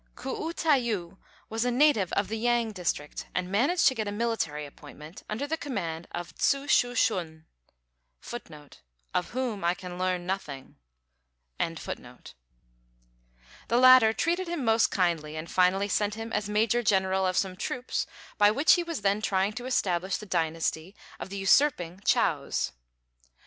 K'u Ta yu was a native of the Yang district, and managed to get a military appointment under the command of Tsu Shu shun. The latter treated him most kindly, and finally sent him as Major General of some troops by which he was then trying to establish the dynasty of the usurping Chows.